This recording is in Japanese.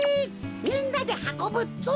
みんなではこぶぞ！